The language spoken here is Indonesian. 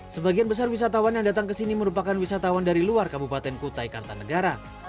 sebagian besar wisatawan yang datang ke sini merupakan wisatawan dari luar kabupaten kutai kartanegara